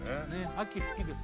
秋好きです？